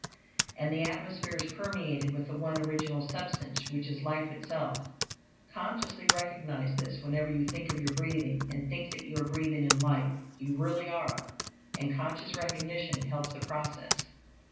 And the atmosphere is permeated with the One Original Substance, which is life itself. Consciously recognize this whenever you think of your breathing, and think that you are breathing in life; you really are, and conscious recognition helps the process.